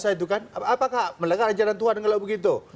apakah melanggar ajaran tuhan kalau begitu